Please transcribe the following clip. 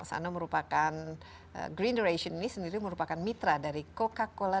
sana merupakan greenduration ini sendiri merupakan mitra dari coca cola